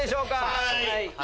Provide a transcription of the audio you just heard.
はい。